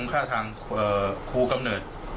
ค่าทางครูกำเนิด